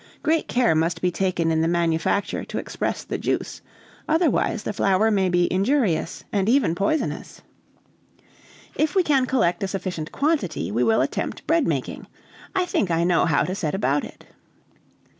Great care must be taken in the manufacture to express the juice, otherwise the flour may be injurious and even poisonous. "If we can collect a sufficient quantity, we will attempt bread making. I think I know how to set about it."